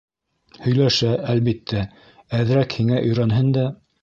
Һөйләшә, әлбиттә, әҙерәк һиңә өйрәнһен дә...